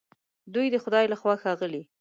دوی د خدای له خوا ښاغلي